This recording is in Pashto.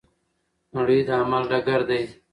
نړۍ د عمل ډګر دی.